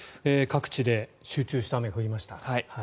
各地で集中して雨が降りました。